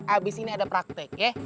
abis ini ada fraktek ya